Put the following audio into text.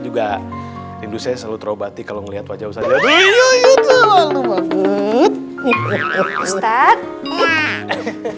tidak hindu saya selalu terobati kalau melihat wajah saya dulu itu lalu banget